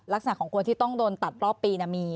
ลักษณะของคนที่ต้องโดนตัดรอบปีมี